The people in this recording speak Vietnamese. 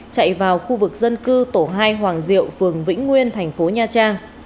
chạy vào khu vực dân cư tổ hai hoàng diệu phường vĩnh nguyên thành phố nha trang